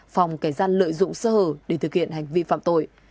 phòng kẻ gian lợi dụng sơ hở để thực hiện hành vi phạm tội